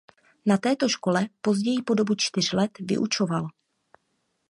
Na této škole později po dobu čtyř let vyučoval.